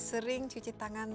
sering cuci tangan